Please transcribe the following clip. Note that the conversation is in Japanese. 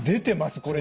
これ。